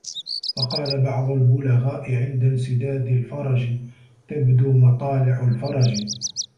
وَقَالَ بَعْضُ الْبُلَغَاءِ عِنْدَ انْسِدَادِ الْفَرَجِ تَبْدُو مَطَالِعُ الْفَرَجِ